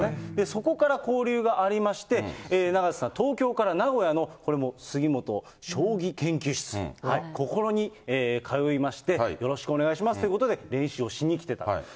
そこから交流がありまして、永瀬さん、東京から名古屋のこれも杉本将棋研究室、ここに通いまして、よろしくお願いしますということで、練習をしに来てた。